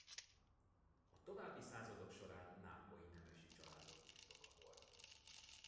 A további századok során nápolyi nemesi családok birtoka volt.